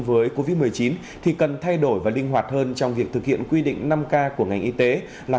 với covid một mươi chín thì cần thay đổi và linh hoạt hơn trong việc thực hiện quy định năm k của ngành y tế là